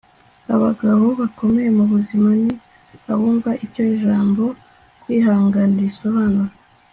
abagabo bakomeye mubuzima ni abumva icyo ijambo kwihangana risobanura